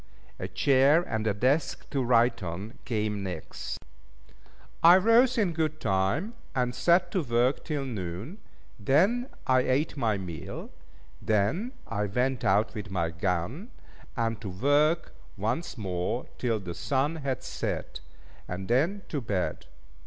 A chair, and a desk to write on, came next. I rose in good time, and set to work till noon, then I ate my meal, then I went out with my gun, and to work once more till the sun had set; and then to bed.